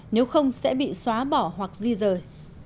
nếu không sẽ bị xóa bỏ hoặc di rời